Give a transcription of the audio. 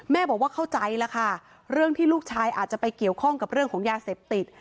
บอกว่าเข้าใจแล้วค่ะเรื่องที่ลูกชายอาจจะไปเกี่ยวข้องกับเรื่องของยาเสพติด